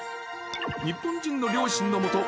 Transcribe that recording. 日本人の両親のもと